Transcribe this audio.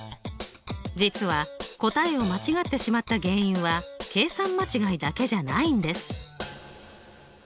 実は答えを間違ってしまった原因は計算間違いだけじゃないんです。